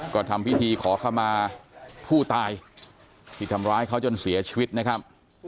ก็ทำพิธีขอขมาผู้ตายที่ทำร้ายเขาจนเสียชีวิตนะครับ